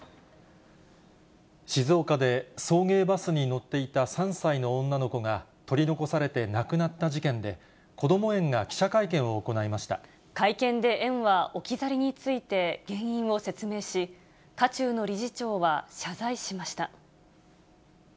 静岡で送迎バスに乗っていた３歳の女の子が取り残されて亡くなった事件で、会見で園は、置き去りについて、原因を説明し、渦中の理事長は謝罪しました。